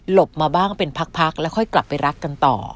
บมาบ้างเป็นพักแล้วค่อยกลับไปรักกันต่อ